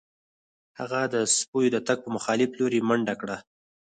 هغه د سپیو د تګ په مخالف لوري منډه کړه